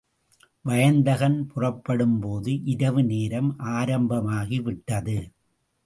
வயந்தகன் புறப்படும்போது இரவு நேரம் ஆரம்பமாகி விட்டது.